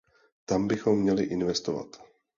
Tam bychom měli investovat.